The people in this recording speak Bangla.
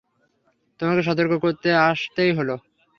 তোমাকে সতর্ক করতে আসতেই হল।